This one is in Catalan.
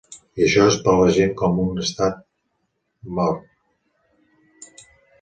I això és per a la gent com un estar mort.